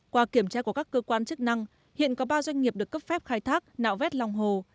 qua kiểm tra của các cơ quan chức năng hiện có ba doanh nghiệp được cấp phép khai thác nạo vét lòng hồ